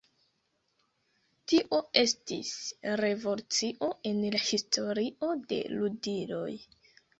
Tio estis revolucio en la historio de ludiloj.